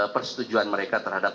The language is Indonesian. persetujuan mereka terhadap